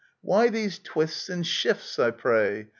Why these twists and shifts, I pray